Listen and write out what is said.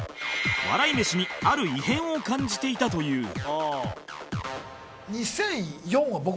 笑い飯にある異変を感じていたという